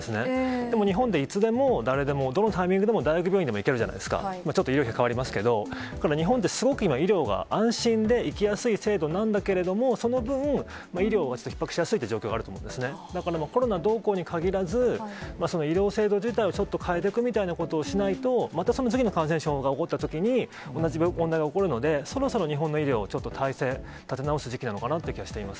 でも、日本って、いつでも誰でも、どのタイミングでも、大学病院でも行けるじゃないですか、日本ってすごく今、医療が安心で行きやすい制度なんだけども、その分、医療がひっ迫しやすい状況ってあると思うんですね、だからもう、コロナどうこうにかぎらず、医療制度自体をちょっと変えていくみたいなことをしないと、またその次の感染症が起こったときに、同じ問題が起こるので、そろそろ日本の医療、ちょっと体制立て直す時期なのかなって気はしています。